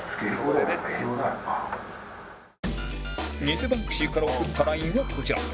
偽バンクシーから送った ＬＩＮＥ はこちら